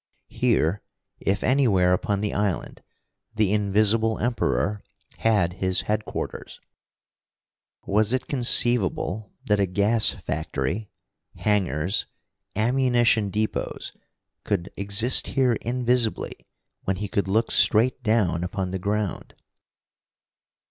Here, if anywhere upon the island, the Invisible Emperor had his headquarters. Was it conceivable that a gas factory, hangars, ammunition depots could exist here invisibly, when he could look straight down upon the ground?